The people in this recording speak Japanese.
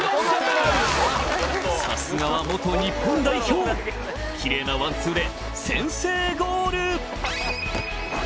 さすがは日本代表キレイなワンツーで先制ゴール